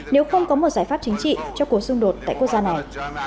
nếu không có một giải pháp chính trị cho cuộc xung đột tại quốc gia này